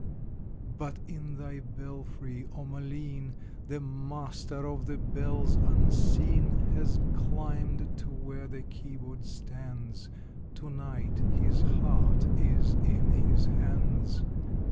But in thy belfry, O Malines, The master of the bells unseen Has climbed to where the keyboard stands, To night his heart is in his hands!